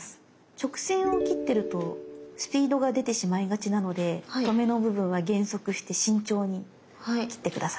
直線を切ってるとスピードが出てしまいがちなので止めの部分は減速して慎重に切って下さい。